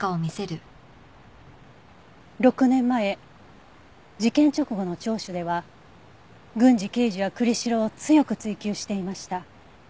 ６年前事件直後の聴取では郡司刑事は栗城を強く追及していました。